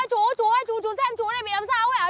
chú ơi chú chú chú xem chú này bị làm sao không ạ